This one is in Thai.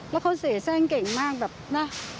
แล้วเขาเสียแทร่งเก่งมากแบบนะ